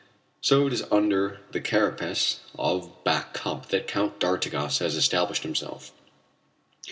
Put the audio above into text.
So it is under the carapace of Back Cup that Count d'Artigas has established himself!